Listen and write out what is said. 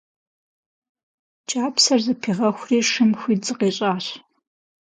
Кӏапсэр зэпигъэхури шым хуит зыкъищӏащ.